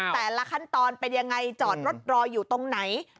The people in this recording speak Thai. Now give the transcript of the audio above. แต่ละขั้นตอนเป็นยังไงจอดรถรออยู่ตรงไหน